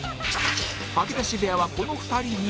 吐き出し部屋はこの２人に